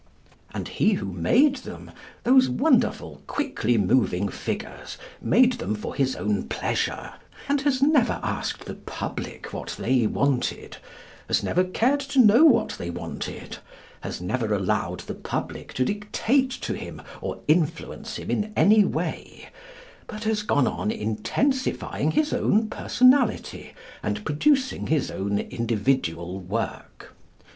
And he who made them, those wonderful quickly moving figures, made them for his own pleasure, and has never asked the public what they wanted, has never cared to know what they wanted, has never allowed the public to dictate to him or influence him in any way but has gone on intensifying his own personality, and producing his own individual work.